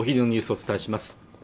お伝えします